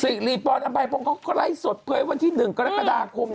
สิ่งรีพรในไพพงค์ก็ไร้สดเผยวันที่๑กรกฎาคม